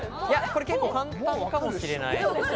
これ結構簡単かもしれない。